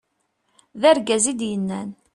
d argaz i d-yennan